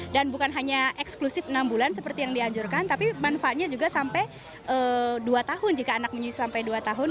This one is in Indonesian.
bukan hanya eksklusif enam bulan seperti yang dianjurkan tapi manfaatnya juga sampai dua tahun jika anak menyusu sampai dua tahun